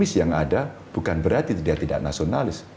jadi yang ada berarti tidak nasionalis